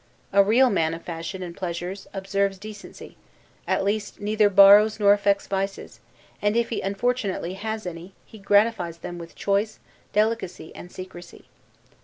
A real man of fashion and pleasures observes decency: at least neither borrows nor affects vices: and if he unfortunately has any, he gratifies them with choice, delicacy, and secrecy.